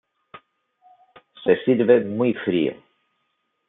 Se sirve muy frío.